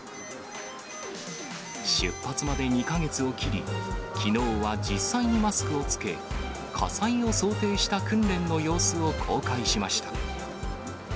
出発まで２か月を切り、きのうは実際にマスクを着け、火災を想定した訓練の様子を公開しました。